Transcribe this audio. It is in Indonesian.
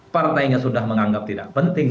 partainya sudah menganggap tidak penting